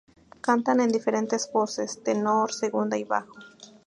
Cantan en diferentes voces: tenor, segunda y bajo.